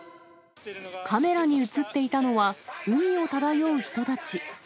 カメラに写っていたのは、海を漂う人たち。